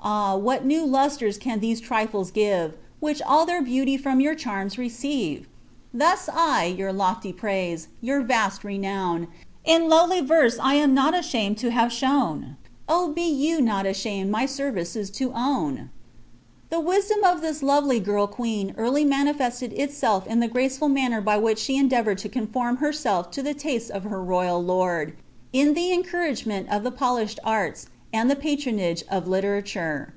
Ah I what new lustres can these trifles give, Whieh all their beauty from your charms reoeiret Tims I your lofty praise, your vast renown, In lowly Terse am not ashamed to have shown, Oh, be you not ashamed my services to own !"* wMoni of this lovely girl qoeen early manifeflted itself in the id manner by which she endeavoured to conform herself to the of her royal lord, in the encouragement of the polished arts, and itTonage o( literature.